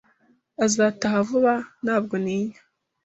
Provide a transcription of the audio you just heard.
"Azataha vuba?" "Ntabwo ntinya."